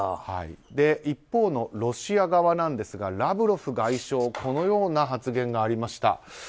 一方のロシア側ですがラブロフ外相このような発言がありました。